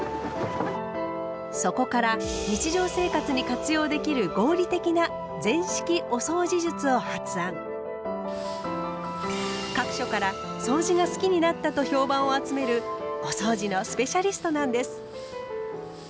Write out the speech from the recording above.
そこから日常生活に活用できる合理的な各所から「そうじが好きになった！」と評判を集めるおそうじのスペシャリストなんです。